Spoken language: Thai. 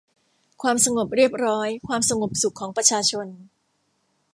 ความสงบเรียบร้อย ความสงบสุขของประชาชน